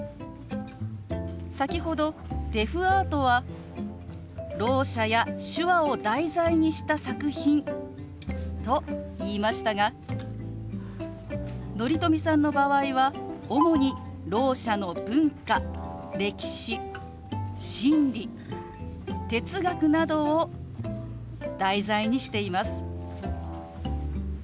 先ほどデフアートはろう者や手話を題材にした作品と言いましたが乘富さんの場合は主にろう者の文化歴史心理哲学などを題材にしています。